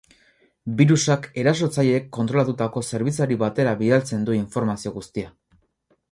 Birusak erasotzaileek kontrolatutako zerbitzari batera bidaltzen du informazio guztia.